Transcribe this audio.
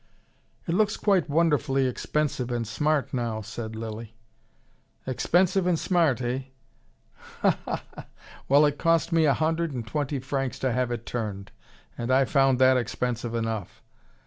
"It looks quite wonderfully expensive and smart now," said Lilly. "Expensive and smart, eh! Ha ha ha! Well, it cost me a hundred and twenty francs to have it turned, and I found that expensive enough.